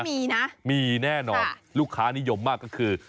มีนะมีแน่นอนลูกค้านิยมมากก็คือ